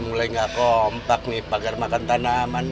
mulai nggak kompak nih pagar makan tanaman